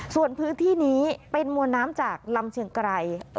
ส่วนพื้นที่นี้เป็นมวลน้ำจากลำเชียงไกร